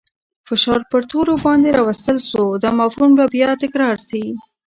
فشار پر تورو باندې راوستل سو. دا مفهوم به بیا تکرار سي.